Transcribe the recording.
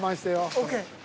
［ＯＫ］